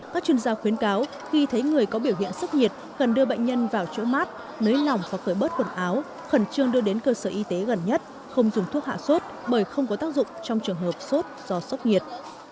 các chuyên gia khuyến cáo khi thấy người có biểu hiện sốc nhiệt cần đưa bệnh nhân vào chỗ mát nới lỏng và khởi bớt quần áo khẩn trương đưa đến cơ sở y tế gần nhất không dùng thuốc hạ sốt bởi không có tác dụng trong trường hợp sốt do sốc nhiệt